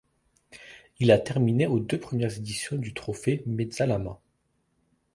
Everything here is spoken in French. Il a terminé aux deux premières éditions du Trophée Mezzalama.